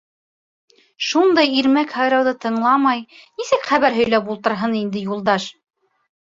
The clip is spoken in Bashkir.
Шундай ирмәк һайрауҙы тыңламай, нисек хәбәр һөйләп ултырһын инде Юлдаш?